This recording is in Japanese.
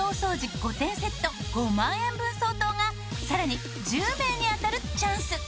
５点セット５万円分相当がさらに１０名に当たるチャンス。